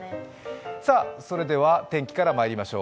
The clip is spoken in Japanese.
それでは天気からまいりましょう。